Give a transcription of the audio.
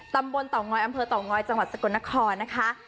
เตางอยอำเภอเต่างอยจังหวัดสกลนครนะคะ